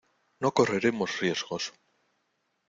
no correremos riesgos.